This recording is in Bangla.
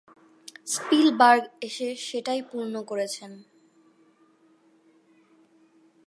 স্পিলবার্গ এসে সেটাই পূর্ণ করেছেন।